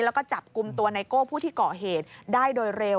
แล้วก็จับกลุ่มตัวไนโก้ผู้ที่เกาะเหตุได้โดยเร็ว